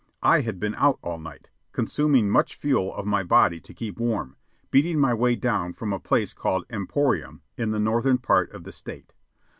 I had been out all night, consuming much fuel of my body to keep warm, beating my way down from a place called Emporium, in the northern part of the state.